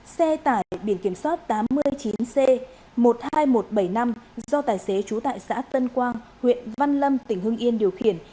xe tải biển kiểm soát tám mươi chín c một mươi hai nghìn một trăm bảy mươi năm do tài xế trú tại xã tân quang huyện văn lâm tỉnh hưng yên điều khiển